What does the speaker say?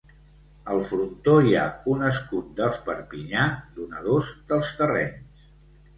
Al frontó hi ha un escut dels Perpinyà, donadors dels terrenys.